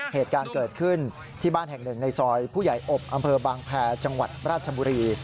เหตุการณ์เกิดขึ้นที่บ้านแห่งหนึ่งในซอยผู้ใหญ่อบอำเภอบางแพรจังหวัดราชบุรี